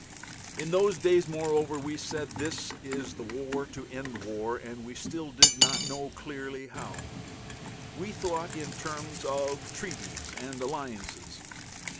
In those days, moreover, we said this is the "war to end war," and we still did not know clearly how. We thought in terms of treaties and alliances.